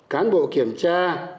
cán bộ kiểm tra